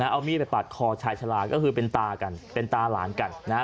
เอามีดไปปาดคอชายชาลาก็คือเป็นตากันเป็นตาหลานกันนะฮะ